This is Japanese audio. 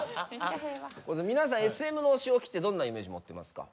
皆さんＳＭのお仕置きってどんなイメージ持ってますか？